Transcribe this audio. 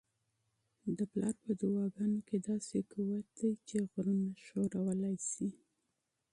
د پلار په دعاګانو کي داسې قوت دی چي غرونه ښورولی سي.